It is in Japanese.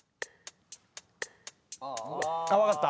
あっわかった。